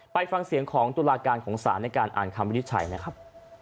ไปฟังเสียงของตุลาการของศาลในการอ่านคำวินิจฉัยนะครับ